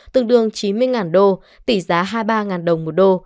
tương đương chín mươi đô tỷ giá hai mươi ba đồng một đô